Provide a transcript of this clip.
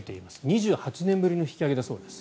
２８年ぶりの引き上げだそうです。